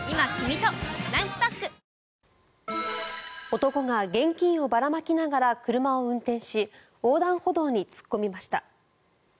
男が現金をばらまきながら車を運転し横断歩道に突っ込みました。